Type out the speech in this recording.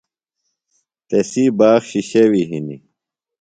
تسی باغ شِشیوی ہِنی۔